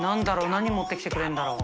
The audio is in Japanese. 何持ってきてくれるんだろう？